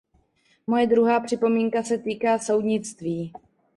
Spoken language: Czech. Moje druhá připomínka se týká soudnictví.